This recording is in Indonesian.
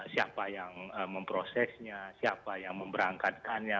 siapa yang memprosesnya siapa yang memberangkatkannya